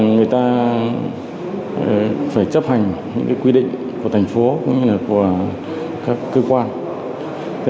người ta phải chấp hành những quy định của thành phố cũng như là của các cơ quan